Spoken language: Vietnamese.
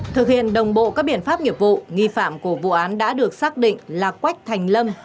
thực hiện đồng bộ các biện pháp nghiệp vụ nghi phạm của vụ án đã được xác định là quách thành lâm